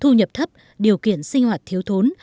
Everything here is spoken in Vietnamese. thu nhập thấp điều kiện sinh hoạt thiếu thốn